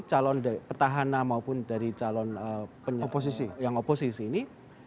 calon dari petahana maupun dari calon oposisi yang oposisi ini